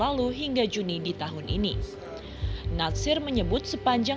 wah satu ratus sepuluh juta itu ya kebetulan kan